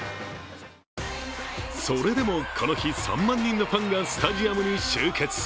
それでも、この日３万人のファンがスタジアムに集結。